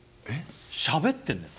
しゃべってんの。